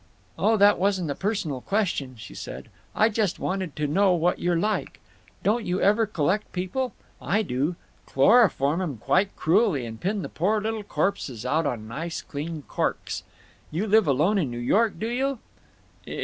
"Oh, that wasn't a personal question," she said. "I just wanted to know what you're like. Don't you ever collect people? I do—chloroform 'em quite cruelly and pin their poor little corpses out on nice clean corks…. You live alone in New York, do you?"